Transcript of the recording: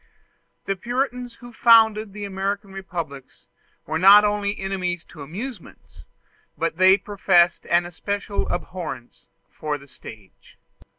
The Puritans who founded the American republics were not only enemies to amusements, but they professed an especial abhorrence for the stage.